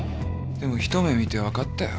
でもひと目見て分かったよ。